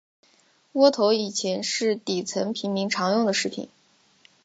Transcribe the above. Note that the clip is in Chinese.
窝头以前是底层平民常用的食品。